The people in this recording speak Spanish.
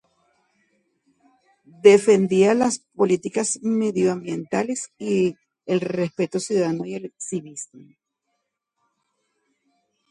Defendía las Políticas Medioambientales y el respeto ciudadano y el civismo.